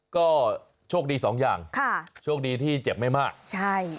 ก็โชคดีสองอย่างค่ะโชคดีที่เจ็บไม่มากใช่